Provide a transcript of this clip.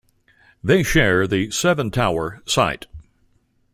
They share the seven-tower site.